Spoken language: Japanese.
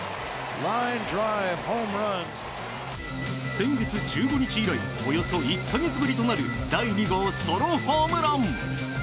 先月１５日以来およそ１か月ぶりとなる第２号ソロホームラン！